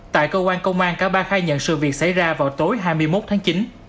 tại cơ quan công an cả ba khai nhận sự việc xảy ra vào tối hai mươi một tháng chín